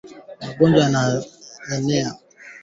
Mbu wa Aedes ametambuliwa kama msambazaji mkuu wa viini